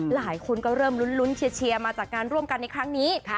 หลายคนก็เริ่มลุ้นเชียร์มาจากงานร่วมกันในครั้งนี้